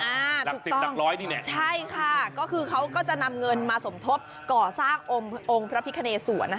อ้าตรูต้องใช่ค่ะคือก็จะนำเงินมาสมทบก่อสร้างองค์พระพิคเนธสวน